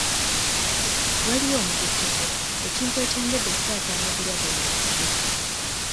Waliyo omugotteko, ekintu ekyongedde okusaasaanya obulwadde mu basibe.